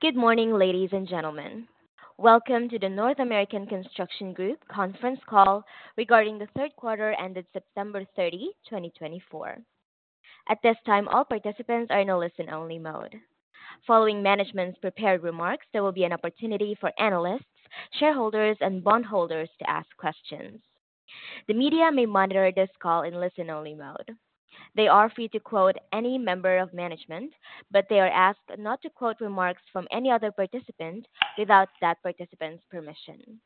Good morning, ladies and gentlemen. Welcome to the North American Construction Group conference call regarding the third quarter ended September 30, 2024. At this time, all participants are in a listen-only mode. Following management's prepared remarks, there will be an opportunity for analysts, shareholders and bondholders to ask questions. The media may monitor this call in listen-only mode. They are free to quote any member of management, but they are asked not to quote remarks from any other participant without that participant's permission.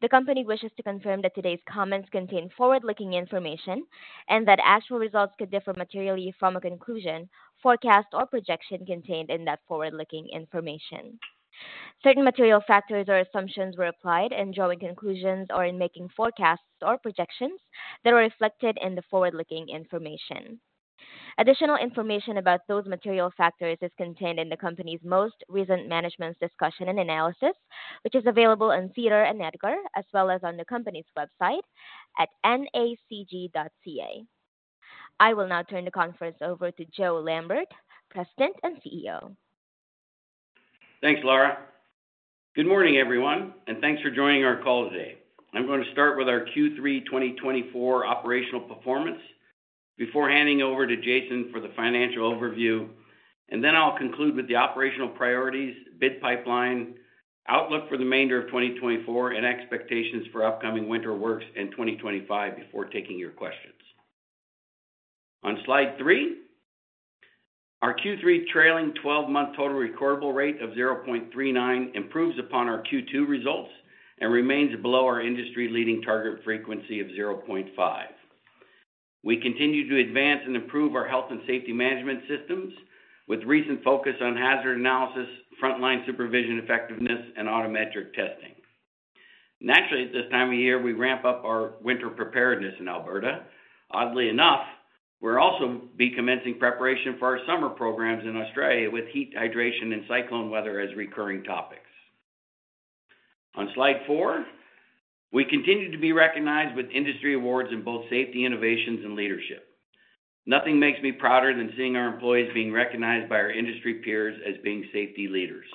The Company wishes to confirm that today's comments contain forward-looking information and that actual results could differ materially from a conclusion, forecast or projection contained in that forward-looking information. Certain material factors or assumptions were applied in drawing conclusions or in making forecasts or projections that are reflected in the forward-looking information. Additional information about those material factors is contained in the Company's most recent management's discussion and analysis which is available on SEDAR+ and EDGAR as well as on the Company's website at NACG.ca. I will now turn the conference over to Joe Lambert, President and CEO. Thanks, Laura. Good morning, everyone, and thanks for joining our call today. I'm going to start with our Q3 2024 operational performance before handing over to Jason for the financial overview, and then I'll conclude with the operational priorities, bid pipeline outlook for the remainder of 2024 and expectations for upcoming winter works and 2025 before taking your questions. On slide 3, our Q3 trailing twelve month Total Recordable Rate of 0.39 improves upon our Q2 results and remains below our industry leading target frequency of 0.5. We continue to advance and improve our health and safety management systems with recent focus on hazard analysis, frontline supervision effectiveness and audiometric testing. Naturally, at this time of year we ramp up our winter preparedness in Alberta. Oddly enough, we'll also be commencing preparation for our summer programs in Australia with heat hydration and cyclone weather as recurring topics. On slide 4, we continue to be recognized with industry awards in both safety innovations and leadership. Nothing makes me prouder than seeing our employees being recognized by our industry peers as being safety leaders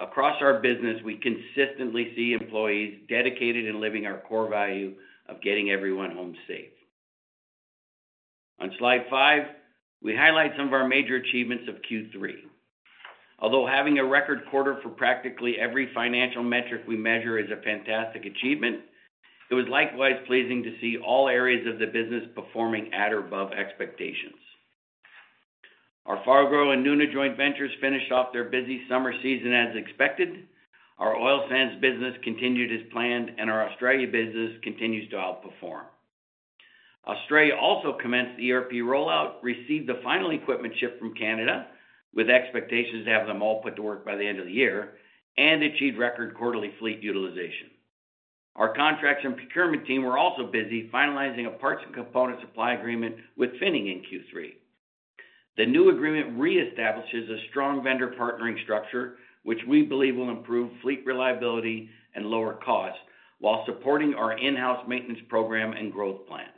across our business. We consistently see employees dedicated in living our core value of getting everyone home safe. On slide 5, we highlight some of our major achievements of Q3. Although having a record quarter for practically every financial metric we measure is a fantastic achievement, it was likewise pleasing to see all areas of the business performing at or above expectations. Our Fargo and Nuna Joint Ventures finished off their busy summer season as expected. Our oil sands business continued as planned and our Australia business continues to outperform. Australia also commenced the ERP rollout, received the final equipment shipment from Canada with expectations to have them all put to work by the end of the year and achieved record quarterly fleet utilization. Our contracts and procurement team were also busy finalizing a parts and component supply agreement with Finning in Q3. The new agreement re-establishes a strong vendor partnering structure which we believe will improve fleet reliability and lower cost while supporting our in-house maintenance program and growth plans.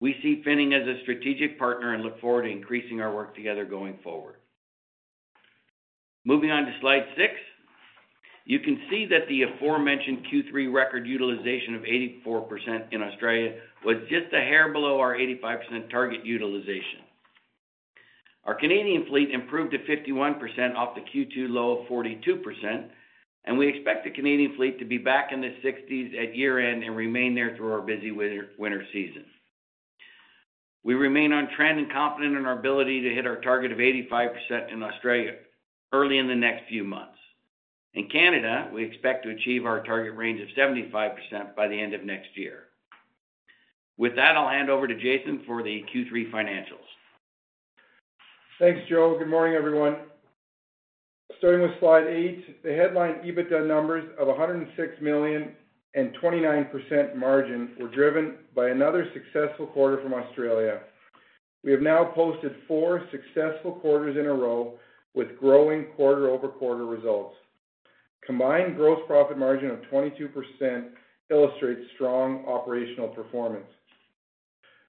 We see Finning as a strategic partner and look forward to increasing our work together going forward. Moving on to Slide 6, you can see that the aforementioned Q3 record utilization of 84% in Australia was just a hair below our 85% target utilization. Our Canadian fleet improved to 51% off the Q2 low of 42% and we expect the Canadian fleet to be back in the 60s at year end and remain there through our busy winter season. We remain on trend and confident in our ability to hit our target of 85% in Australia early in the next few months. In Canada we expect to achieve our target range of 75% by the end of next year. With that, I'll hand over to Jason for the Q3 financials. Thanks, Joe. Good morning, everyone. Starting with Slide 8, the headline EBITDA numbers of 106 million and 29% margin were driven by another successful quarter from Australia. We have now posted four successful quarters in a row with growing quarter over quarter results. Combined gross profit margin of 22% illustrates strong operational performance.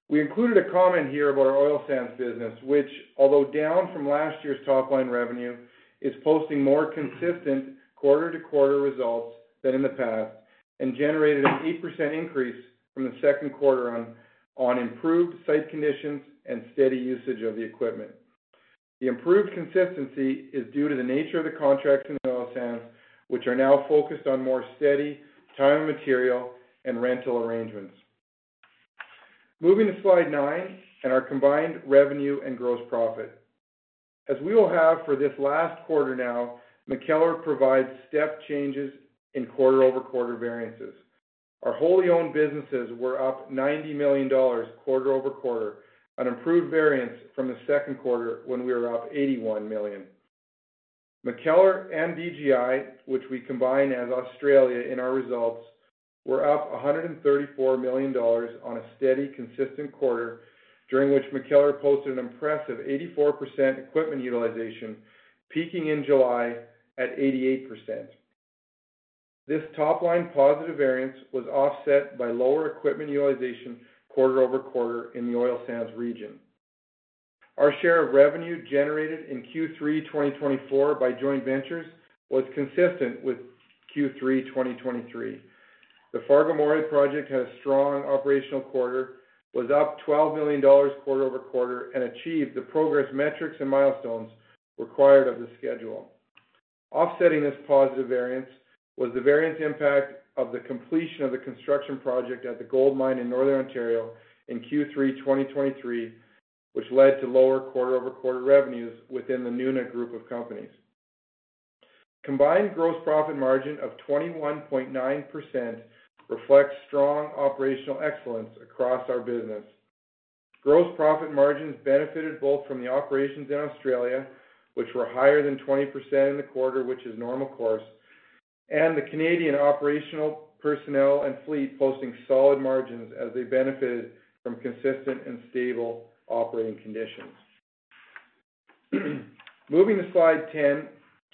We included a comment here about our oil sands business which although down from last year's top line revenue, is posting more consistent quarter to quarter results than in the past and generated an 8% increase from the second quarter on improved site conditions and steady usage of the equipment. The improved consistency is due to the nature of the contracts in oil sands which are now focused on more steady time and material and rental arrangements. Moving to Slide 9 and our combined revenue and gross profit as we will have for this last quarter. Now McKellar provides step changes in quarter over quarter variances. Our wholly owned businesses were up 90 million dollars quarter over quarter, improved variance from the second quarter when we were up 81 million. McKellar and DGI which we combined as Australia in our Results were up 134 million dollars on a steady consistent quarter during which McKellar posted an impressive 84% equipment utilization peaking in July at 88%. This top line positive variance was offset by lower equipment utilization quarter over quarter in the oil sands region. Our share of revenue generated in Q3 2024 by joint ventures was consistent with Q3 2023. The Fargo-Moorhead project had a strong operational quarter, was up 12 million dollars quarter over quarter and achieved the progress metrics and milestones required of the schedule. Offsetting this positive variance was the variance impact of the completion of the construction project at the gold mine in Northern Ontario in Q3, which led to lower quarter over quarter revenues within the Nuna group of companies. Combined gross profit margin of 21.9% reflects strong operational excellence across our business. Gross profit margins benefited both from the operations in Australia, which were higher than 20% in the quarter, which is normal course, and the Canadian operational personnel and fleet posting solid margins as they benefited from from consistent and stable operating conditions. Moving to Slide 10,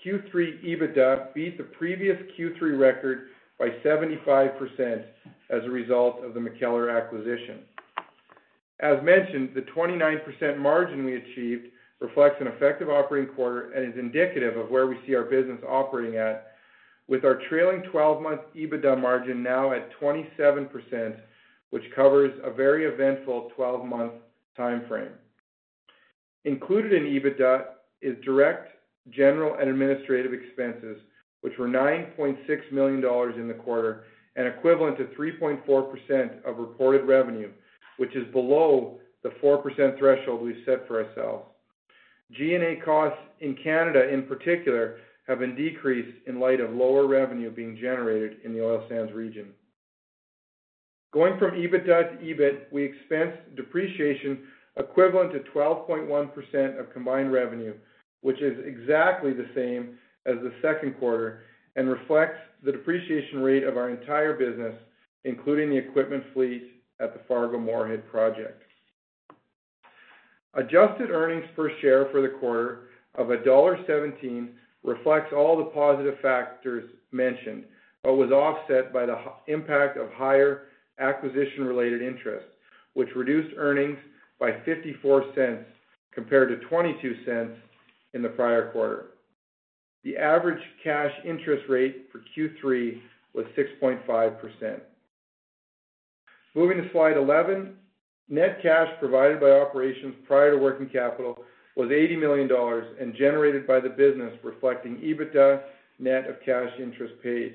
Q3 EBITDA beat the previous Q3 record by 75% as a result of the McKellar acquisition. As mentioned, the 29% margin we achieved reflects an effective operating quarter and is indicative of where we see our business operating at with our trailing twelve month EBITDA margin now at 27% which covers a very eventful twelve month time frame. Included in EBITDA is direct general and administrative expenses which were 9.6 million dollars in the quarter and equivalent to 3.4% of reported revenue which is below the 4% threshold we've set for ourselves. G&A costs in Canada in particular have been decreased in light of lower revenue being generated in the oil sands region. Going from EBITDA to EBIT, we expensed depreciation equivalent to 12.1% of combined revenue which is exactly the same as the second quarter and reflects the depreciation rate of our entire business including the equipment fleet at the Fargo-Moorhead project. Adjusted earnings per share for the quarter of $1.17 reflects all the positive factors mentioned but was offset by the impact of higher acquisition related interest which reduced earnings by $0.54 compared to $0.22 in the prior quarter. The average cash interest rate for Q3 was 6.5%. Moving to Slide 11, net cash provided by operations prior to working capital was $80 million and generated by the business reflecting EBITDA net of cash interest paid.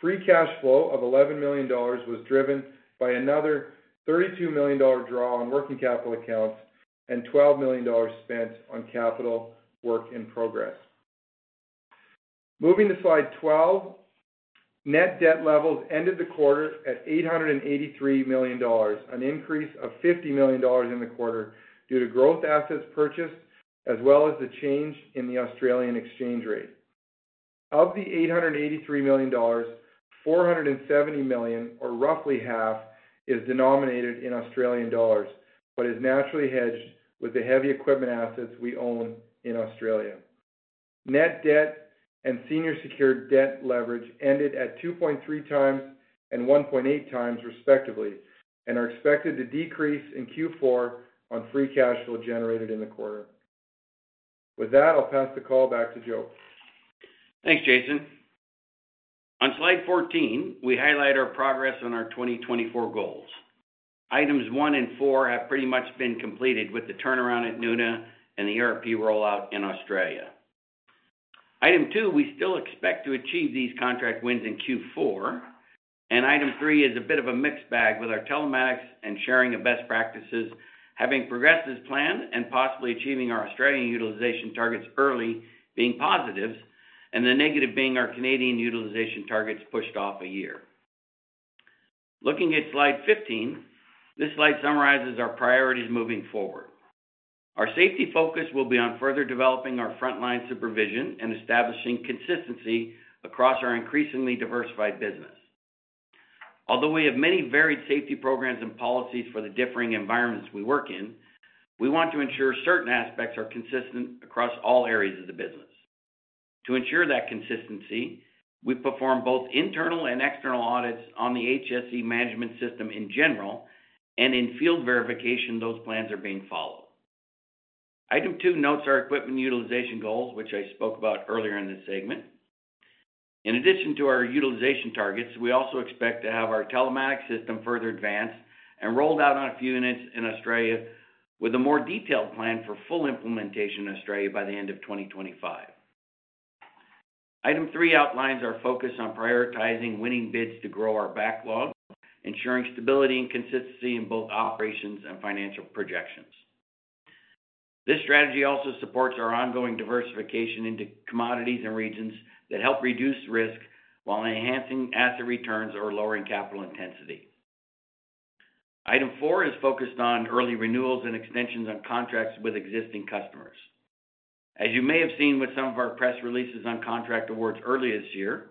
Free cash flow of $11 million was driven by another $32 million draw on working capital accounts and $12 million spent on capital work in progress. Moving to Slide 12, net debt levels ended the quarter at $883 million, an increase of $50 million in the quarter due to growth assets purchased as well as the change in the Australian exchange rate of the $883 million. 470 million or roughly half is denominated in Australian dollars but is naturally hedged with the heavy equipment assets we own in Australia. Net debt and senior secured debt leverage ended at 2.3 times and 1.8 times respectively, and are expected to decrease in Q4 on free cash flow generated in the quarter. With that, I'll pass the call back to Joe. Thanks Jason. On Slide 14, we highlight our progress on our 2024 goals. Items one and four have pretty much been completed with the turnaround at NUNA and the ERP rollout in Australia. Item two we still expect to achieve these contract wins in Q4 and Item three is a bit of a mixed bag with our telematics and sharing of best practices having progressed as planned and possibly achieving our Australian utilization targets being positives and the negative being our Canadian utilization targets pushed off a year. Looking at Slide 15, this slide summarizes our priorities moving forward. Our safety focus will be on further developing our frontline supervision and establishing consistency across our increasingly diversified business. Although we have many varied safety programs and policies for the differing environments we work in, we want to ensure certain aspects are consistent across all areas of the business. To ensure that consistency, we perform both internal and external audits on the HSE management system in general and in field verification. Those plans are being followed. Item two notes our equipment utilization goals, which I spoke about earlier in this segment. In addition to our utilization targets, we also expect to have our telematics system further advanced and rolled out on a few units in Australia, with a more detailed plan for full implementation in Australia by the end of 2025. Item three outlines our focus on prioritizing winning bids to grow our backlog, ensuring stability and consistency in both operations and financial projections. This strategy also supports our ongoing diversification into commodities and regions that help reduce risk while enhancing asset returns or lowering capital intensity. Item four is focused on early renewals and extensions on contracts with existing customers. As you may have seen with some of our press releases on contract awards earlier this year,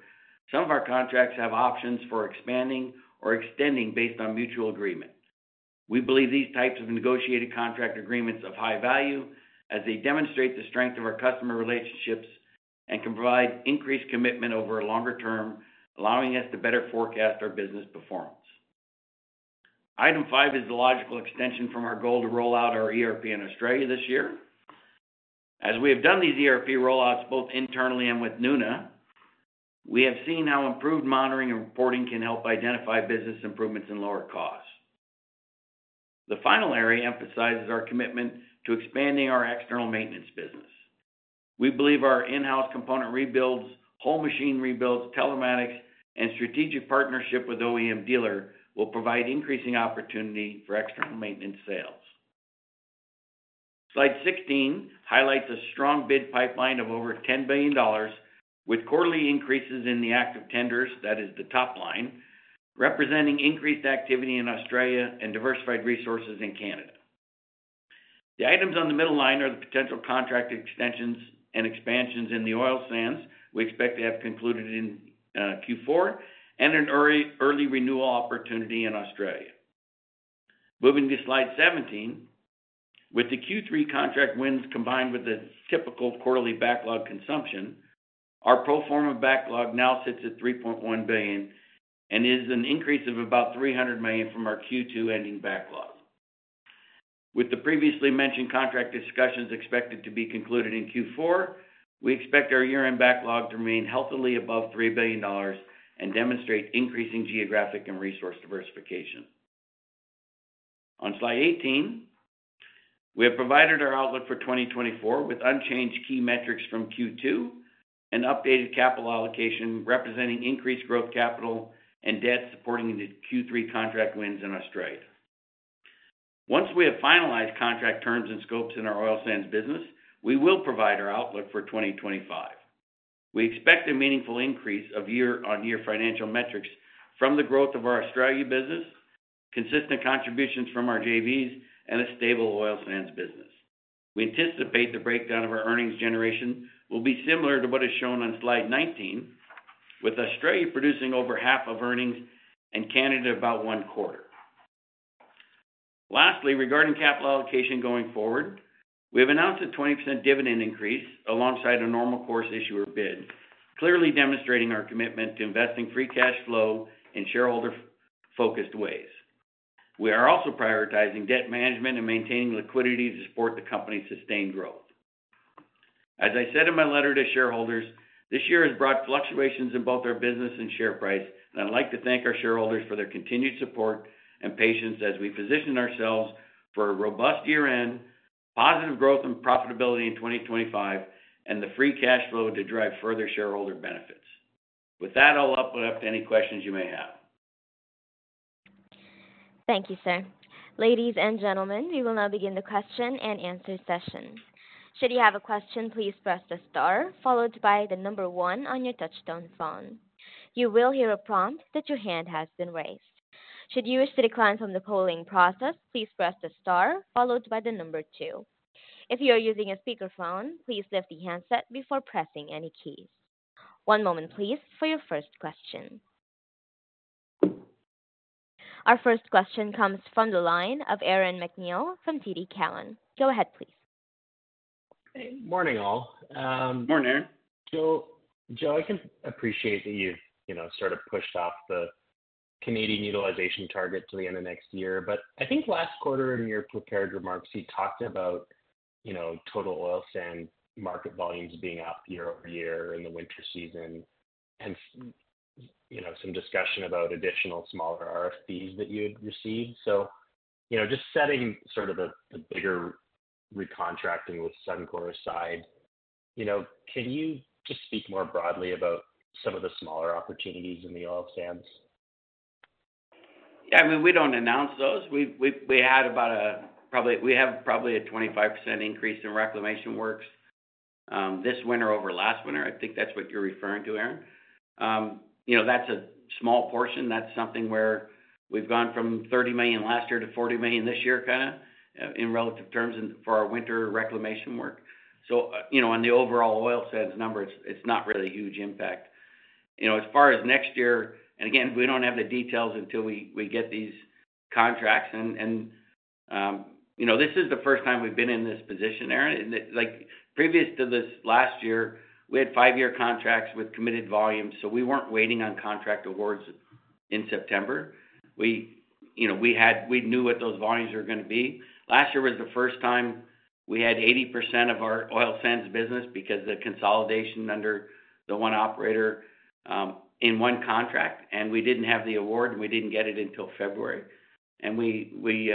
some of our contracts have options for expanding or extending based on mutual agreement. We believe these types of negotiated contract agreements of high value as they demonstrate the strength of our customer relationships and can provide increased commitment over a longer term, allowing us to better forecast our business performance. Item five is the logical extension from our goal to roll out our ERP in Australia this year. As we have done these ERP rollouts both internally and with Nuna, we have seen how improved monitoring and reporting can help identify business improvements and lower costs. The final area emphasizes our commitment to expanding our external maintenance business. We believe our in house component rebuilds, whole machine rebuilds, telematics and strategic partnership with OEM dealer will provide increasing opportunity for external maintenance sales. Slide 16 highlights a strong bid pipeline of over $10 billion with quarterly increases in the active tenders, that is the top line representing increased activity in Australia and diversified resources in Canada. The items on the middle line are the potential contract extensions and expansions in the oil sands, we expect to have concluded in Q4 and an early renewal opportunity in Australia. Moving to Slide 17 with the Q3 contract wins combined with the typical quarterly backlog consumption, our pro forma backlog now sits at 3.1 billion and is an increase of about 300 million from our Q2 ending backlog. With the previously mentioned contract discussions expected to be concluded in Q4, we expect our year end backlog to remain healthily above 3 billion dollars and demonstrate increasing geographic and resource diversification. On slide 18 we have provided our outlook for 2024 with unchanged key metrics from Q2 and updated capital allocation representing increased growth, capital and debt supporting the Q3 contract wins in Australia. Once we have finalized contract terms and scopes in our oil sands business, we will provide our outlook for 2025. We expect a meaningful increase of year on year financial metrics from the growth of our Australia business, consistent contributions from our JVS and a stable oil sands business. We anticipate the breakdown of our earnings generation will be similar to what is shown on slide 19 with Australia producing over half of earnings and Canada about 1/4. Lastly, regarding capital allocation going forward, we have announced a 20% dividend increase alongside a Normal Course Issuer Bid, clearly demonstrating our commitment to investing free cash flow in shareholder-focused ways. We are also prioritizing debt management and maintaining liquidity to support the company's sustained growth. As I said in my letter to shareholders, this year has brought fluctuations in both our business and share price, and I'd like to thank our shareholders for their continued support, patience as we position ourselves for a robust year-end positive growth and profitability in 2025 and the free cash flow to drive further shareholder benefits. With that, I'll open up to any questions you may have. Thank you, sir. Ladies and gentlemen, we will now begin the question and answer session. Should you have a question, please press the STAR followed by the number one. On your Touch-Tone phone you will hear a prompt that your hand has been raised. Should you wish to decline from the polling process, please press the STAR followed by the number two. If you are using a speakerphone, please lift the handset before pressing any keys. One moment, please, for your first question. Our first question comes from the line of Aaron MacNeil from TD Cowen. Go ahead, please. Morning all. Morning Joe. Joe, I can appreciate that you've sort of pushed off the Canadian utilization target to the end of next year, but I think last quarter in your prepared remarks you talked about total oil sands market volumes being up year over year in the winter season and some discussion about additional smaller RFPs that you'd received. So just setting sort of a bigger recontracting with Suncor aside, you know, can you just speak more broadly about some of the smaller opportunities in the oil sands? Yeah, I mean we don't announce those. Probably we have a 25% increase in reclamation works this winter over last winter. I think that's what you're referring to, Aaron. You know, that's a small portion. That's something where we've gone from 30 million last year to 40 million this year kind of in relative terms for our winter reclamation work. So, you know, on the overall oil sands number, it's not really a huge impact, you know, as far as next year. And again, we don't have the details until we get these contracts. And you know, this is the first time we've been in this position, Aaron. Like previous to this last year we had five year contracts with committed volumes. So we weren't waiting on contract awards in September. We knew what those volumes were going to be. Last year was the first time we had 80% of our oil sands business because the consolidation under the one operator in one contract and we didn't have the award and we didn't get it until February and we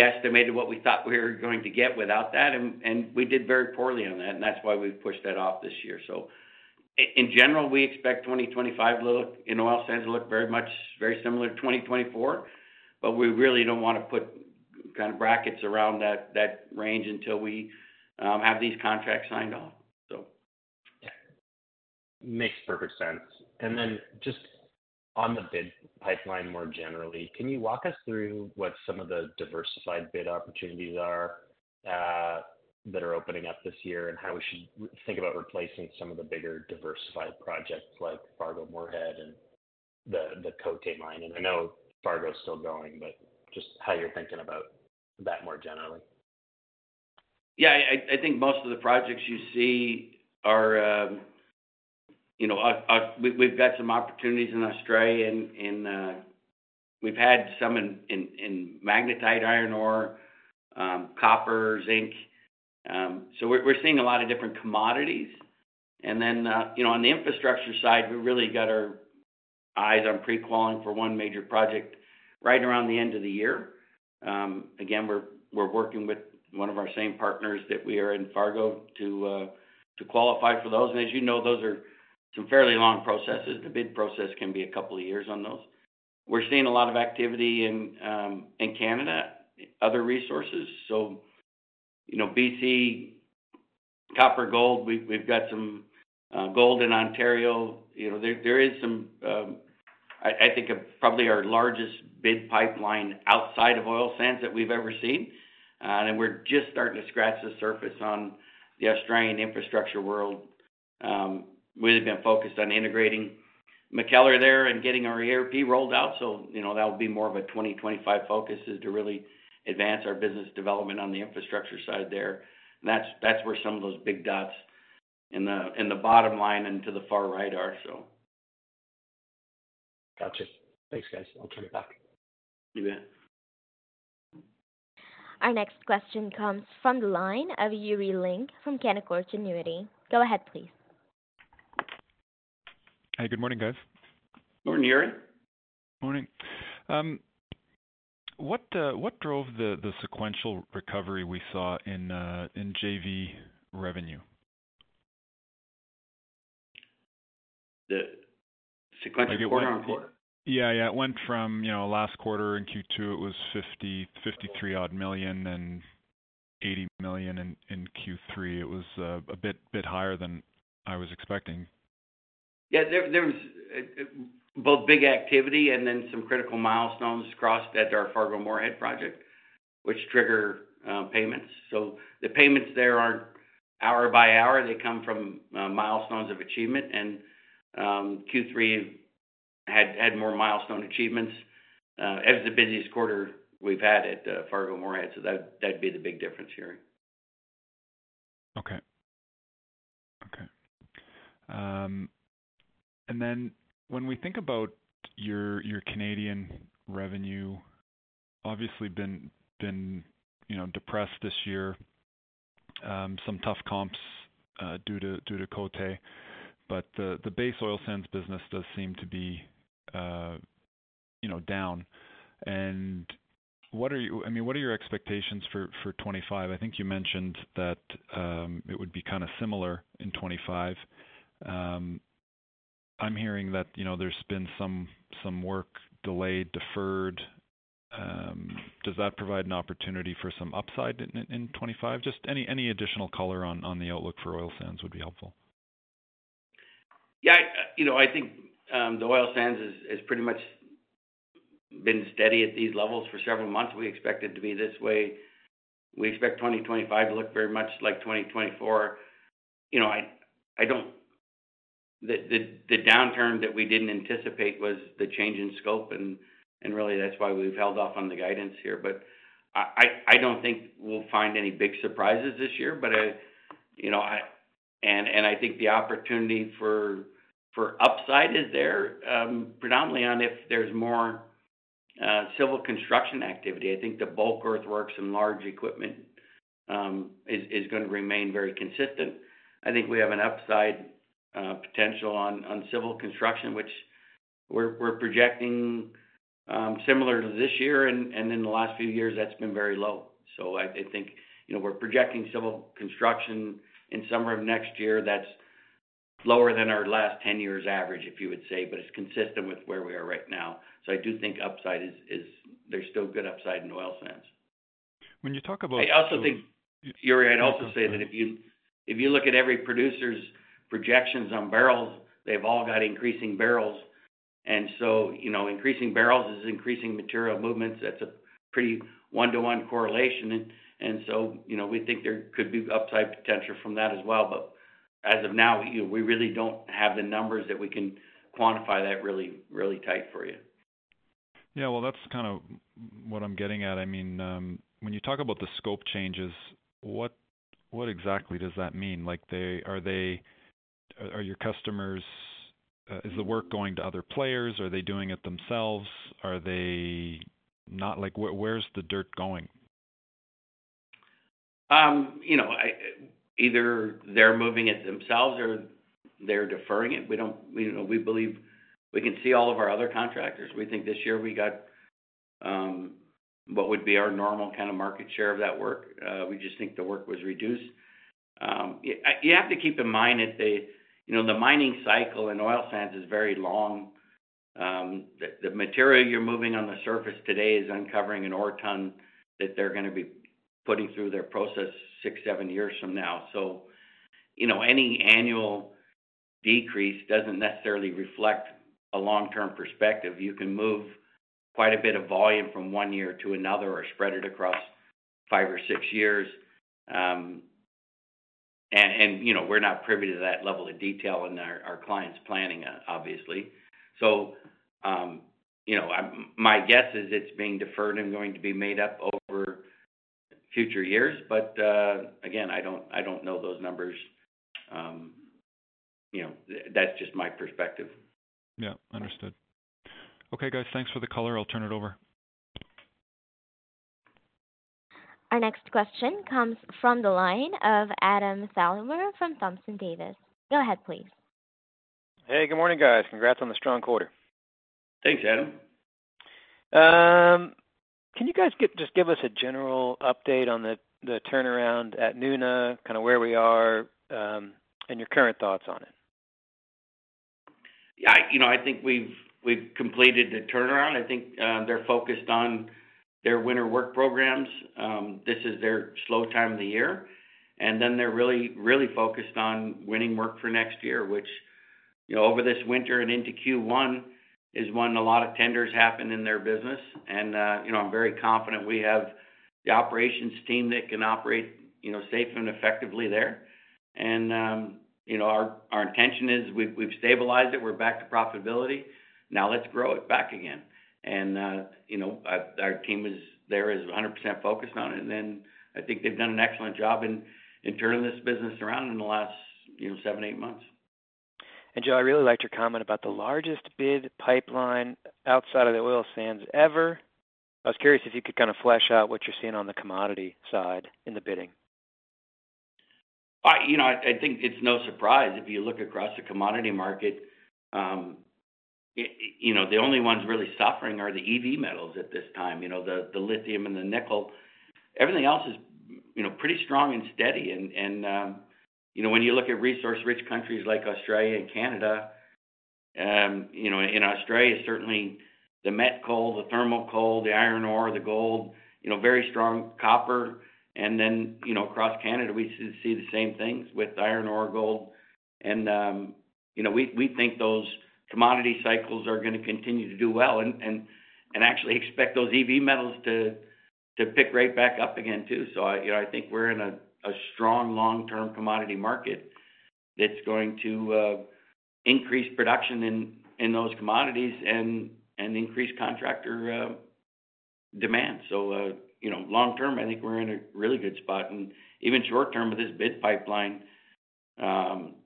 estimated what we thought we were going to get without that and we did very poorly on that and that's why we pushed that off this year. So in general, we expect 2025 in oil sands look very much, very similar to 2024. But we really don't want to put kind of brackets around that range until we have these contracts signed off. Makes perfect sense. And then just on the bid pipeline more generally, can you walk us through what some of the diversified bid opportunities are that are opening up this year and how we should think about replacing some of the bigger diversified projects like Fargo-Moorhead and the containment line. And I know Fargo's still going, but just how you're thinking about that more generally? Yeah, I think most of the projects you see are, you know, we've got some opportunities in Australia and we've had some in magnetite, iron ore, copper, zinc. So we're seeing a lot of different commodities. And then, you know, on the infrastructure side, we really got our eyes on pre-qualifying for one major project right around the end of the year. Again, we're working with one of our same partners that we are in Fargo to qualify for those. And as you know, those are some fairly long processes. The bid process can be a couple of years on those. We're seeing a lot of activity in Canada, other resources. So, you know, BC copper, gold, we've got some gold in Ontario. You know, there is some, I think probably our largest bid pipeline outside of oil sands that we've ever seen. We're just starting to scratch the surface on the Australian infrastructure world. We have been focused on integrating McKellar there and getting our ERP rolled out. So, you know, that would be more of a 2025 focus, is to really advance our business development on the infrastructure side there, that's where some of those big dots in the bottom line and to the far right are. So. Gotcha. Thanks guys. I'll turn it back. Our next question comes from the line of Yuri Lynk from Canaccord Genuity. Go ahead, please. Hi, good morning, guys. Morning, Yuri. Morning. What drove the sequential recovery we saw in JV revenue? The sequential quarter on quarter? Yeah, it went from last quarter. In Q2 it was 53 odd million and 80 million. In Q3 it was a bit higher than I was expecting. Yeah, there was both big activity and then some critical milestones crossed at our Fargo-Moorhead project which trigger payments. So the payments there aren't hour by hour, they come from milestones of achievement. And Q3 had more milestone achievements as the busiest quarter we've had at Fargo-Moorhead. So that'd be the big difference here. Okay. Okay. Then when we think about your Canadian revenue, obviously been depressed this year, some tough comps due to Côté, but the base oil sands business does seem to be down. What are you, I mean, what are your expectations for 2025? I think you mentioned that it would be kind of similar in 2025. I'm hearing that, you know, there's been some work delayed, deferred. Does that provide an opportunity for some upside in 2025? Just any additional color on the outlook for oil sands would be helpful. Yeah. You know, I think the oil sands is pretty much been steady at these levels for several months. We expect it to be this way. We expect 2025 to look very much like 2024. You know, I, I don't. The downturn that we didn't anticipate was the change in scope. And really that's why we've held off on the guidance here. But I, I don't think we'll find any big surprises this year. But you know, and I think the opportunity for upside is there predominantly on if there's more civil construction activity. I think the bulk earthworks and large equipment is going to remain very consistent. I think we have an upside potential on civil construction which we're projecting similar to this year, and in the last few years that's been very low. So, I think, you know, we're projecting civil construction in summer of next year that's lower than our last 10 years average, if you would say. But it's consistent with where we are right now. So, I do think upside is there's still good upside in oil sands. When you talk about. I also think, Yuri, I'd also say that if you look at every producer's projections on barrels, they've all got increasing barrels. And so, you know, increasing barrels is increasing material movements. That's a pretty one-to-one correlation. And so, you know, we think there could be upside potential from that as well. But as of now, we really don't have the numbers that we can quantify that really, really tight for you. Yeah, well, that's kind of what I'm getting at. I mean, when you talk about the scope changes, what exactly does that mean? Like, they are your customers. Is the work going to other players? Are they doing it themselves? Are they not? Like, where's the dirt going? You know, either they're moving it themselves or they're deferring it. We don't, you know, we believe we can see all of our other contractors, we think this year we got what would be our normal kind of market share of that work. We just think the work was reduced. You have to keep in mind that they, you know, the mining cycle in oil sands is very long. The material you're moving on the surface today is uncovering an ore ton that they're going to be putting through their process six, seven years from now. So, you know, any annual decrease doesn't necessarily reflect a long term perspective. You can move quite a bit of volume from one year to another or spread it across five or six years. And you know, we're not privy to that level of detail in our client's planning obviously. So, you know, my guess is it's being deferred and going to be made up over future years. But again, I don't know those numbers. You know, that's just my perspective. Yeah, understood. Okay guys, thanks for the color. I'll turn it over. Our next question comes from the line of Adam Thalhimer from Thompson Davis. Go ahead please. Hey, good morning guys. Congrats on the strong quarter. Thanks, Adam. Can you guys just give us a. General update on the turnaround at Nuna, kind of where we are and your current thoughts on it? You know, I think we've completed the turnaround. I think they're focused on their winter work programs. This is their slow time of the year and then they're really, really focused on winning work for next year. Which, you know, over this winter and into Q1 is when a lot of tenders happen in their business. You know, I'm very confident we have the operations team that can operate, you know, safe and effectively there. You know, our intention is we've stabilized it, we're back to profitability now. Let's grow it back again. You know, our team is there 100% focused on it. Then I think they've done an excellent job in turning this business around in the last seven, eight months. Joe, I really liked your comment about the largest bid pipeline outside of. The oil sands ever. I was curious if you could kind of flesh out what you're seeing on the commodity side in the bidding. I think it's no surprise. If you look across the commodity market, the only ones really suffering are the EV metals at this time, the lithium and the nickel. Everything else is pretty strong and steady. When you look at resource rich countries like Australia and Canada, in Australia, certainly the met coal, the thermal coal, the iron ore, the gold, very strong copper. Then across Canada we see the same things with iron ore, gold. We think those commodity cycles are going to continue to do well and actually expect those EV metals to pick right back up again too. I think we're in a strong long term commodity market that's going to increase production in those commodities and increase contractor demand. So, long term, I think we're in a really good spot. And even short term with this bid pipeline,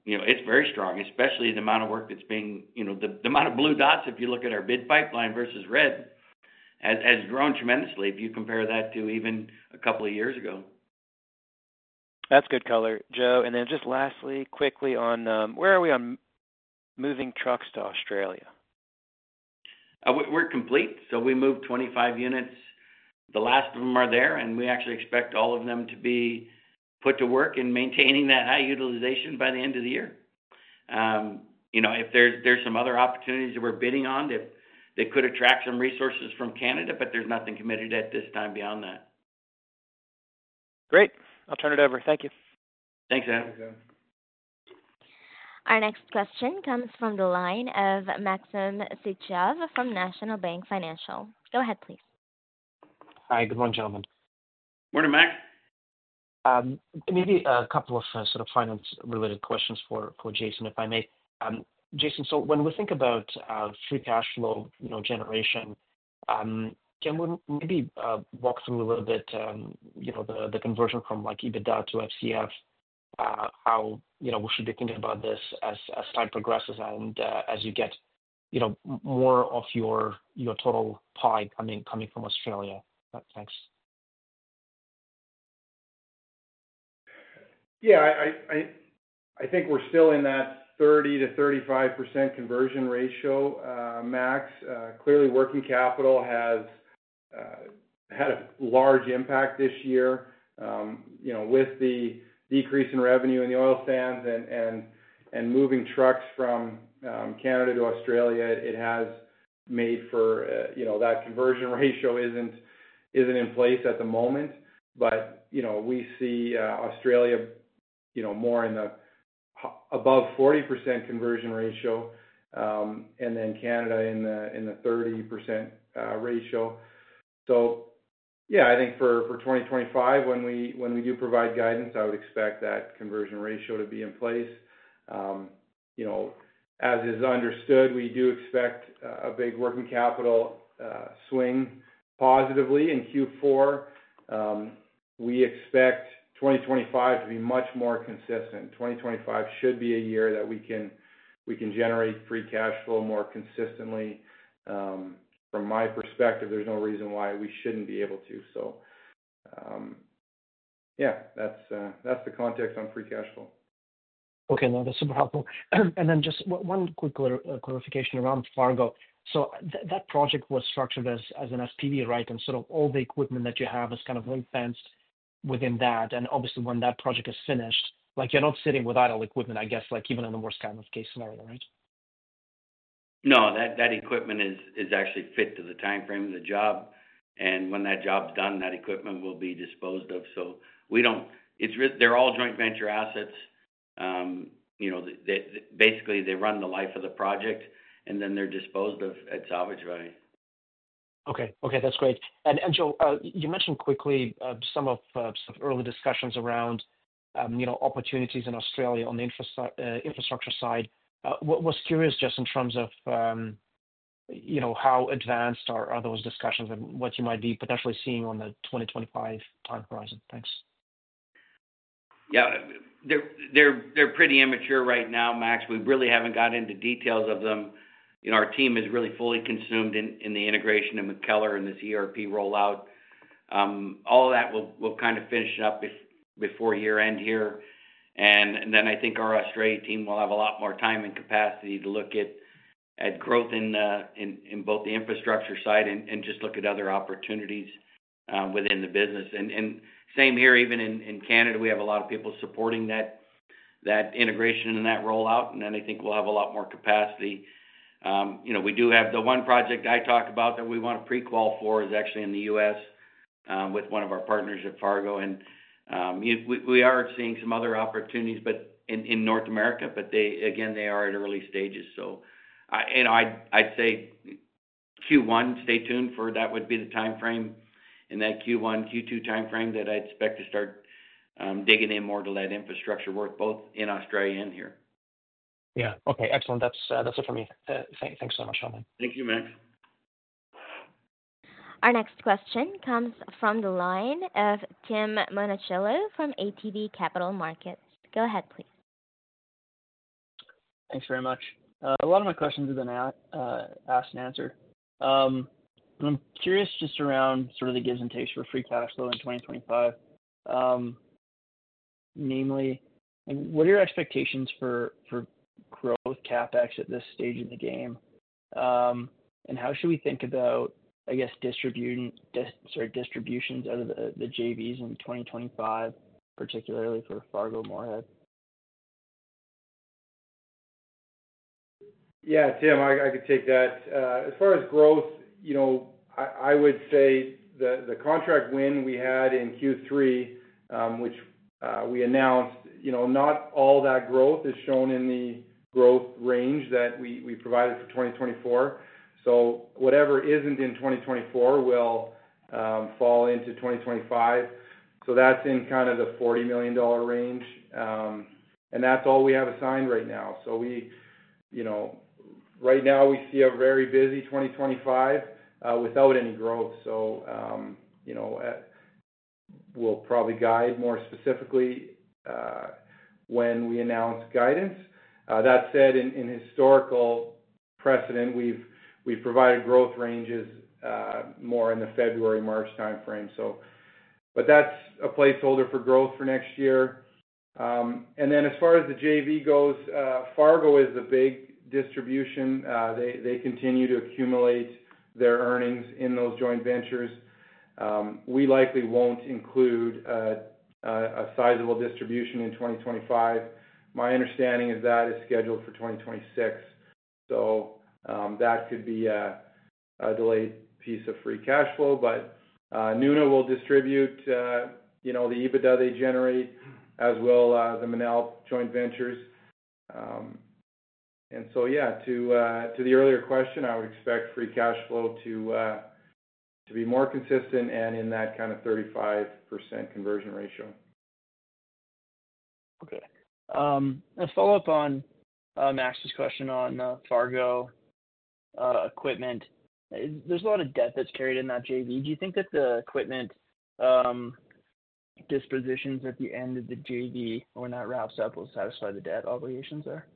it's very strong, especially the amount of work that's being the amount of blue dots. If you look at our bid pipeline versus red has grown tremendously. If you compare that to even a couple of years ago. That's good color, Joe. And then just lastly quickly on where. Are we on moving trucks to Australia? We're complete, so we moved 25 units. The last of them are there. And we actually expect all of them to be put to work in maintaining that high utilization by the end of the year. You know, if there's some other opportunities that we're bidding on, they could attract some resources from Canada, but there's nothing committed at this time beyond that. Great. I'll turn it over. Thank you. Thanks, Adam. Our next question comes from the line of Maxim Sytchev from National Bank Financial. Go ahead, please. Hi, good morning, gentlemen. Morning, Max. Maybe a couple of sort of finance related questions for Jason, if I may. Jason, so when we think about free cash flow generation, can we maybe walk through a little bit the conversion from like EBITDA to fcf? How we should be thinking about this as time progresses and as you get more of your total pie coming from Australia? Thanks. Yeah, I think we're still in that 30%-35% conversion ratio, max. Clearly, working capital has had a large impact this year with the decrease in revenue in the oil sands and moving trucks from Canada to Australia. It has made for that conversion ratio isn't in place at the moment, but we see Australia more in the above 40% conversion ratio and then Canada in the 30% ratio. So, yeah, I think for 2025, when we do provide guidance, I would expect that conversion ratio to be in place. You know, as is understood, we do expect a big working capital swing positively in Q4. We expect 2025 to be much more consistent. 2025 should be a year that we can generate free cash flow more consistently. From my perspective, there's no reason why we shouldn't be able to. So. Yeah, that's the context on free cash flow. Okay. No, that's super helpful. And then just one quick clarification around Fargo. So that project was structured as an SPV, right? And sort of all the equipment that you have is kind of fenced within that. And obviously when that project is finished, like you're not sitting with idle equipment, I guess, like even in the worst kind of case scenario. Right. No, that equipment is actually fit to the timeframe of the job, and when that job's done, that equipment will be disposed of. So we don't. They're all joint venture assets. You know, basically they run the life of the project and then they're disposed of at salvage value. Okay, okay, that's great. And Joe, you mentioned quickly some of early discussions around, you know, opportunities in Australia on the infrastructure side, was curious just in terms of how advanced are those discussions and what you might be potentially seeing on the 2025 time horizon? Thanks. Yeah, they're pretty immature right now, Max. We really haven't got into details of them. Our team is really fully consumed in the integration of MacKellar and this ERP rollout, all of that. We'll kind of finish up before year end here and then I think our Australia team will have a lot more time and capacity to look at growth in both the infrastructure side and just look at other opportunities within the business. And same here. Even in Canada, we have a lot of people supporting that integration and that rollout. And then I think we'll have a lot more capacity. You know, we do have the one project I talk about that we want to pre qual for is actually in the U.S. with one of our partners at Fargo. And we are seeing some other opportunities, but in North America. But they, again, they are at early stages. So I'd say Q1. Stay tuned for that would be the time frame in that Q1, Q2 time frame that I expect to start digging in more to that infrastructure work both in Australia and here. Yeah, okay, excellent. That's it for me. Thanks so much. Thank you, Max. Our next question comes from the line of Tim Monachello from ATB Capital Markets. Go ahead, please. Thanks very much. A lot of my questions have been asked and answered. I'm curious just around sort of the. Givens and takens for Free Cash Flow in 2025, namely, what are your expectations? For growth CapEx at this stage of. The game and how should we think about, I guess, distributing distributions out of the JVs in 2025, particularly for Fargo-Moorhead? Yeah, Tim, I could take that as far as growth. You know, I would say the contract win we had in Q3, which we announced, you know, not all that growth is shown in the growth range that we provided for 2024. So whatever isn't in 2024 will fall into 2025. So that's in kind of the 40 million dollar range. And that's all we have assigned right now. So we, you know, right now we see a very busy 2025 without any growth. So, you know, we'll probably guide more specifically when we announce guidance. That said, in historical precedent, we've provided growth ranges more in the February March timeframe, but that's a placeholder for growth for next year. And then as far as the JV goes, Fargo is the big diversion. They continue to accumulate their earnings in those joint ventures. We likely won't include a sizable distribution in 2025. My understanding is that is scheduled for 2026, so that could be delayed piece of free cash flow, but Nuna will distribute, you know, the EBITDA they generate, as will the Monell joint ventures, and so, yeah, to the earlier question, I would expect free cash flow to be more consistent and in that kind of 35% conversion ratio. Okay. A follow-up on Max's question on Fargo Equipment. There's a lot of debt that's carried in that JV. Do you think that the equipment dispositions at the end of the JV, when that wraps up, will satisfy the debt obligations there?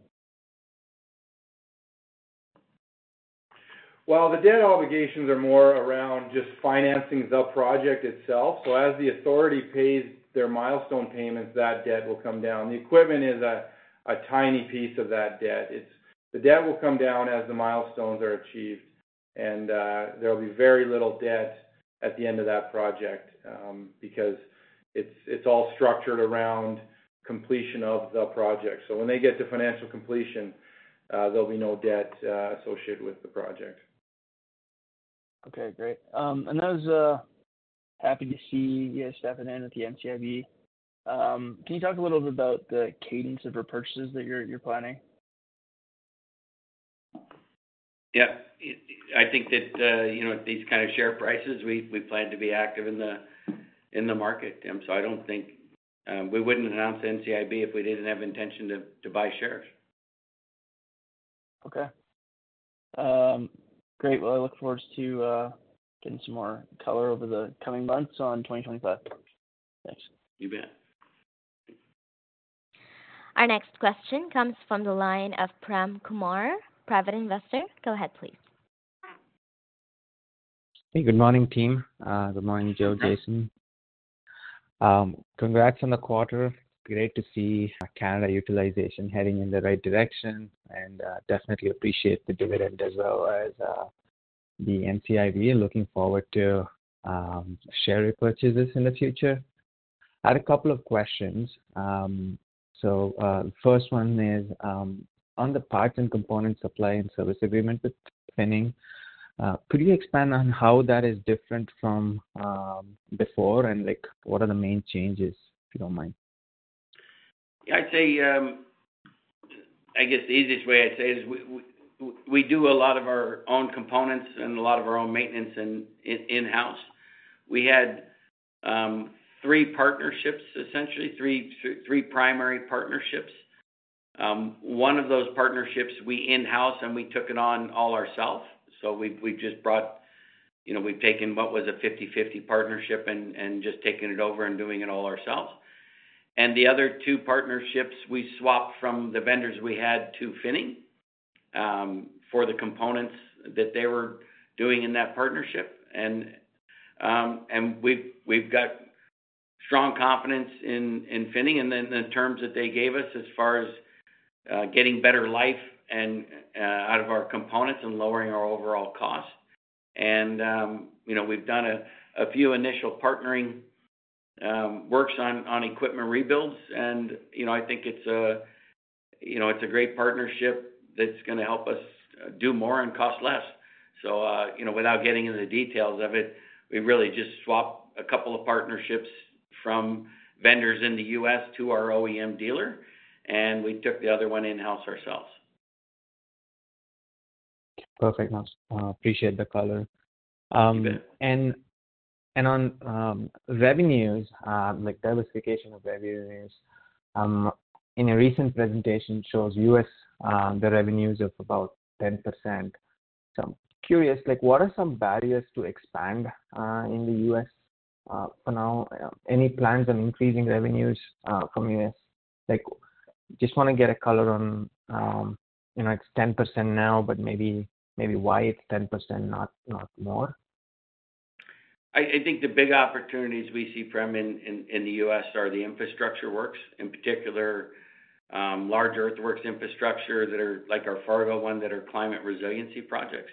The debt obligations are more around just financing the project itself. As the authority pays their milestone payments, that debt will come down. The equipment is a tiny piece of that debt. The debt will come down as the milestones are achieved. There will be very little debt at the end of that project because it's all structured around completion of the project. When they get to financial completion, there'll be no debt associated with the project. Okay, great. And I was happy to see you stepping in at the NCIB. Can you talk a little bit about? The cadence of repurchases that you're planning? Yep. I think that, you know, these kind of share prices, we plan to be active in the market. So I don't think we wouldn't announce NCIB if we didn't have intention to buy shares. Okay. Great. Well, I look forward to getting some more color over the coming months on 2025. Yes, you bet. Our next question comes from the line of Prem Kumar, private investor. Go ahead, please. Hey, good morning, team. Good morning, Joe. Jason, congrats on the quarter. Great to see Canada utilization heading in the right direction and definitely appreciate the dividend as well as the NCIB looking forward to share repurchases in the future. I had a couple of questions. First one is on the parts and component supply and service agreement with Finning. Could you expand on how that is different from before? And like, what are the main changes, if you don't mind? Yeah, I'd say, I guess the easiest way I'd say is we do a lot of our own components and a lot of our own maintenance. And in-house, we had three partnerships, essentially three, three primary partnerships. One of those partnerships, we in-house and we took it on all ourselves. So we just brought, you know, we've taken what was a 50-50 partnership and just taking it over and doing it all ourselves. And the other two partnerships we swapped from the vendors we had to Finning for the components that they were doing in that partnership. And we've got strong confidence in Finning and then the terms that they gave us as far as getting better life out of our components and lowering our overall cost. And you know, we've done a few initial partnering works on equipment rebuilds and you know, I think it's a, you know, it's a great partnership that's going to help us do more and cost less. So you know, without getting into the details of it, we really just swapped a couple of partnerships from vendors in the U.S. to our OEM dealer and we took the other one in house ourselves. Perfect. Appreciate the color. And on revenues, like diversification of revenues in a recent presentation shows us the revenues of about 10%. So I'm curious, like what are some barriers to expand in the U.S. for now? Any plans on increasing revenues from U.S.? Just want to get a color on it's 10% now, but maybe why it's 10%, not more. I think the big opportunities we see, Prem, in the U.S. are the infrastructure works, in particular large earthworks infrastructure that are like our Fargo one, that are climate resiliency projects.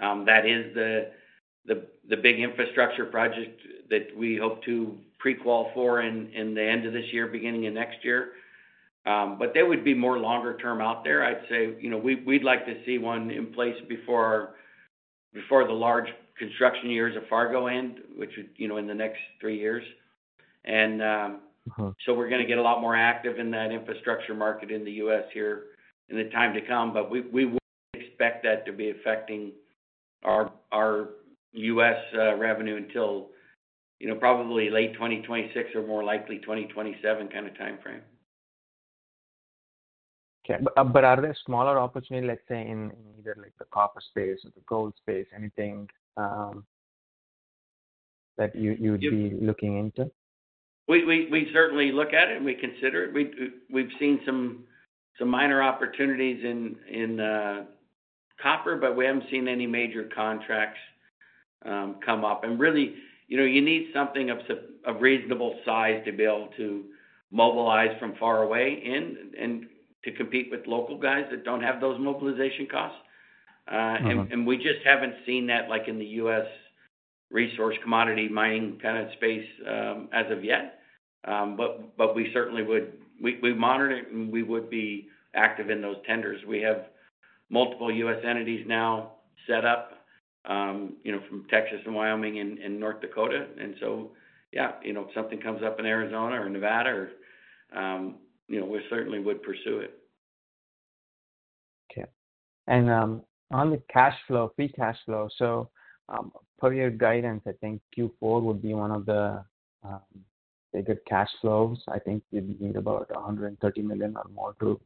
That is the big infrastructure project that we hope to pre qual for in the end of this year, beginning of next year. But they would be more longer term out there, I'd say, you know, we'd like to see one in place before the large construction years of Fargo end, which would, you know, in the next three years. And so we're going to get a lot more active in that infrastructure market in the U.S. here in the time to come. But we would expect that to be affecting our U.S. revenue until, you know, probably late 2026 or more likely 2027 kind of time frame. Okay, but are there smaller opportunities, let's say in either like the copper space or the gold space? Anything. That you. Would be looking into? We certainly look at it and we consider it. We've seen some minor opportunities in copper, but we haven't seen any major contracts come up. And really you need something of reasonable size to be able to mobilize from far away and to compete with local guys that don't have those mobilization costs. And we just haven't seen that like in the U.S. resource commodity mining kind of space as of yet. But we certainly would, we monitor it and we would be active in those tenders. We have multiple U.S. entities now set up, you know, from Texas and Wyoming and North Dakota. And so yeah, you know, if something comes up in Arizona or Nevada, you know, we certainly would pursue it. Okay. On the cash flow, free cash flow, so per year guidance, I think Q4 would be one of the bigger cash flows. I think we need about 130 million or more to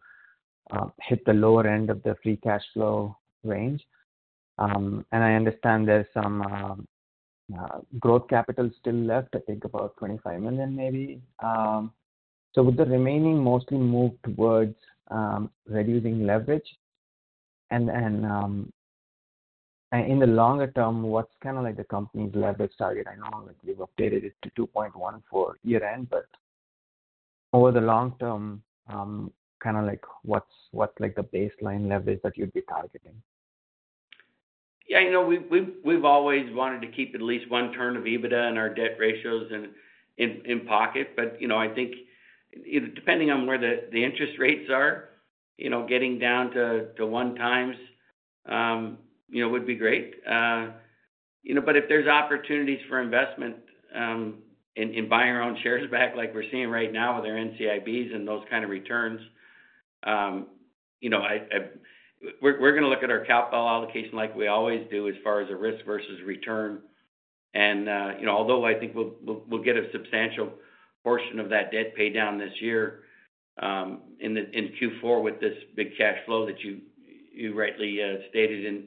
hit the lower end of the free cash flow range. I understand there's some growth capital still left. I think about 25 million maybe. With the remaining mostly move towards reducing leverage. In the longer term, what's kind of like the company's leverage target? I know we've updated it to 2.1 for year end, but over the long term, kind of like what's like the baseline leverage that you'd be targeting. Yeah. You know, we've always wanted to keep at least one times EBITDA in our debt ratios and in pocket, but you know, I think depending on where the interest rates are, you know, getting down to one times, you know, would be great. You know, but if there's opportunities for investment in buying our own shares back, like we're seeing right now with our NCIBs and those kind of returns, you know, we're going to look at our capital allocation like we always do as far as the risk versus return. And although I think we'll get a substantial portion of that debt paid down this year in Q4 with this big cash flow that you rightly stated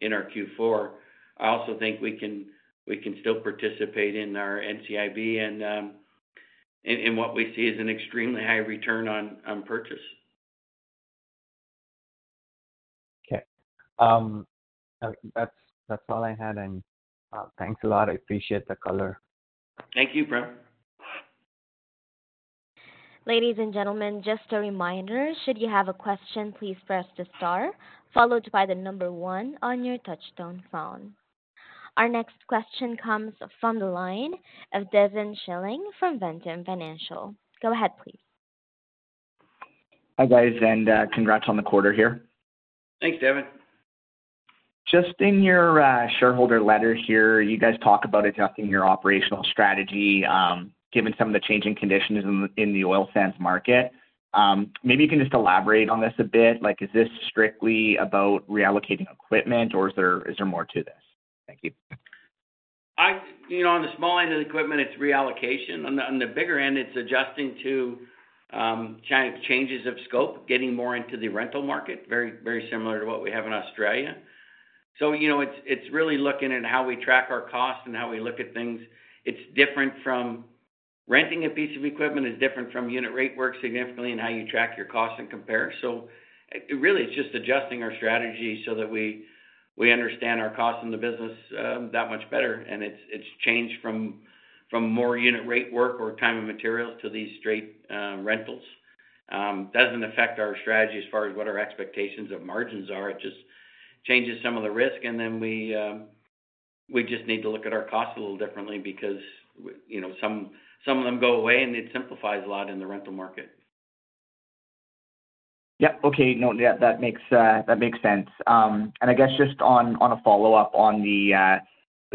in our Q4, I also think we can still participate in our NCIB and in what we see as an extremely high return on purchase. Okay, that's all I had, and thanks a lot. I appreciate the color. Thank you, bro. Ladies and gentlemen, just a reminder, should you have a question, please press the star followed by the number one on your touch-tone phone. Our next question comes from the line of Devin Schilling from Ventum Financial. Go ahead, please. Hi guys, and congrats on the quarter here. Thanks, Devin. Just in your shareholder letter here, you guys talk about adjusting your operational strategy given some of the changing conditions in. The oil sands market. Maybe you can just elaborate on this a bit. Like, is this strictly about reallocating equipment? or is there more to this? Thank you. On the small end of the equipment, it's reallocation. On the bigger end, it's adjusting to changes of scope, getting more into the rental market. Very, very similar to what we have in Australia. So, you know, it's really looking at how we track our cost and how we look at things. It's different from renting a piece of equipment. It's different from unit rate work significantly in how you track your costs and compare. So really it's just adjusting our strategy so that we understand our costs in the business that much better, and it's changed from more unit rate work or time and materials to these straight rentals. It doesn't affect our strategy as far as what our expectations of margins are. It just changes some of the risk. Then we just need to look at our costs a little differently because, you know, some of them go away and it simplifies a lot in the rental market. Yep. Okay. No, that makes sense. And I guess just on a follow up on the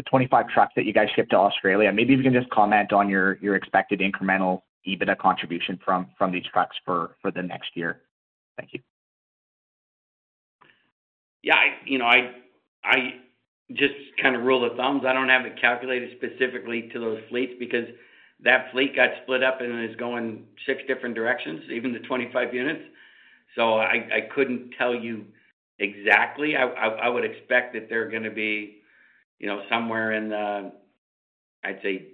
25 trucks that you guys shipped to Australia, maybe you can just comment on your expected incremental EBITDA contribution from these trucks for the next year. Thank you. Yeah, you know, I just kind of, rule of thumb, I don't have it calculated specifically to those fleets because that fleet got split up and is going six different directions, even the 25 units. So I couldn't tell you exactly. I would expect that they're going to be, you know, somewhere in the, I'd say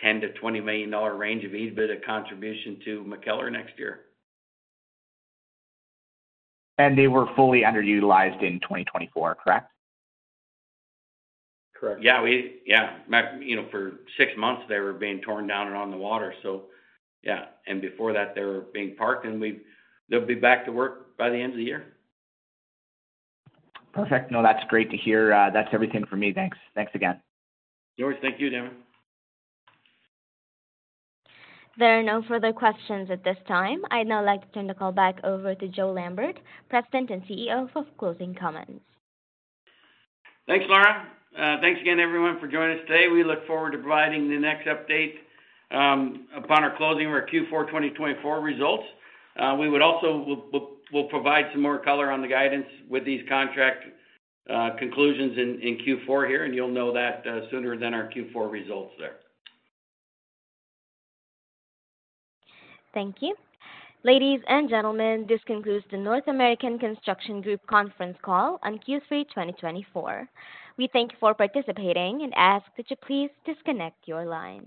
10 million-20 million dollar range of EBITDA contribution to McKellar next year. They were fully underutilized in 2024, correct? Correct. Yeah, you know, for six months they were being torn down and on the water. And before that they were being parked, and they'll be back to work by the end of the year. Perfect. No, that's great to hear. That's everything for me. Thanks. Thanks again. Yours. Thank you, Devin There are no further questions at this time. I'd now like to turn the call back over to Joe Lambert, President and CEO of North American Construction Group. Thanks, Laura. Thanks again everyone for joining us today. We look forward to providing the next update upon our closing of our Q4 2024 results. We'll also provide some more color on the guidance with these contract conclusions in Q4 here, and you'll know that sooner than our Q4 results there. Thank you. Ladies and gentlemen, this concludes the North American Construction Group conference call on Q3 2024. We thank you for participating and ask that you please disconnect your lines.